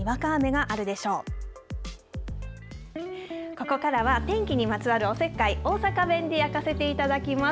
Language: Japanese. ここからは天気にまつわるおせっかい大阪弁で焼かせていただきます。